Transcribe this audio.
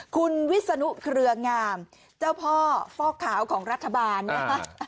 คุณวิศนุเครืองามเจ้าพ่อฟอกขาวของรัฐบาลนะคะ